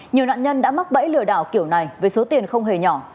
nhiều nạn nhân đã mắc bẫy lừa đảo kiểu này với số tiền không hề nhỏ